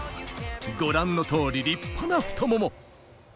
ご覧の通り立派な太もも。